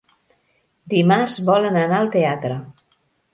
Dimarts volen anar al teatre.